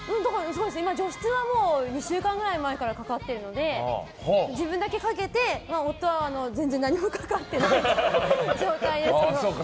今、除湿は２週間ぐらい前からかかってるので自分だけかけて、夫は全然何もかかってない状態ですけど。